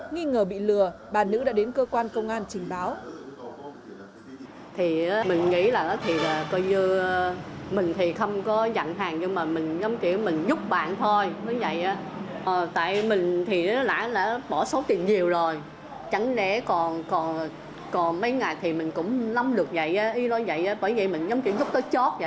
nghĩ ngờ bị lừa bà nữ đã đến cơ quan công an trình báo